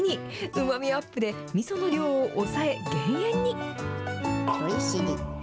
うまみアップで、みその量を抑え、減塩に。